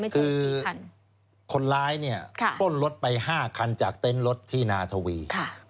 คือคนร้ายเนี่ยปล้นรถไป๕คันจากเต็นต์รถที่นาทวี